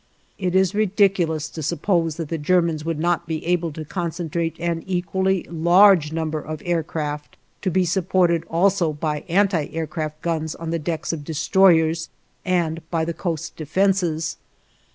It is ridiculous to suppose that the Germans would not be able to concentrate an equally large number of aircraft, to be supported also by anti aircraft guns on the decks of destroyers and by the coast defenses.